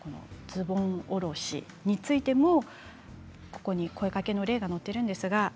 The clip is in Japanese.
ズボンおろしについても声かけの例が載っています。